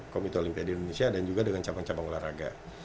komite olimpiade indonesia dan juga dengan campan campan olahraga